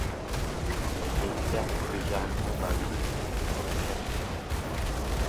Il a été expert de plusieurs grands organismes de la recherche publique.